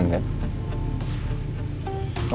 masih kamu punya tujuan kan